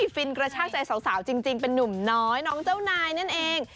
ฟินกระชากใจสาวจริงเป็นนุ่มน้อยน้องเจ้านายนั่นเอง